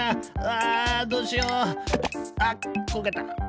あっこけた。